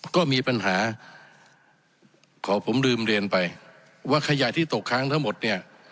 ก็มีปัญหาขอผมลืมเรียนไปว่าขยะที่ตกค้างทั้งหมดเนี่ย